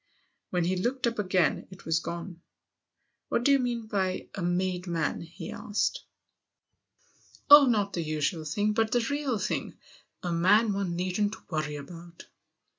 When he looked up again it was gone. " What do you mean by a ' made ' man ?" he asked. " Oh, not the usual thing, but the real thing. A man one needn't worry about."